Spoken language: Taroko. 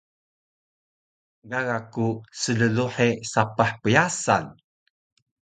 Gaga ku slluhe sapah pyasan